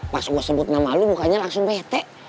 pas gua sebut nama lu bukannya langsung bete